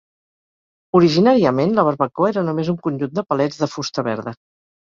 Originàriament, la barbacoa era només un conjunt de palets de fusta verda.